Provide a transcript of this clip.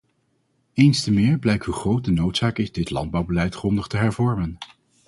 Eens te meer blijkt hoe groot de noodzaak is dit landbouwbeleid grondig te hervormen.